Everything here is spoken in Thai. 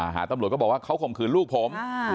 หาตำรวจก็บอกว่าเขาข่มขืนลูกผม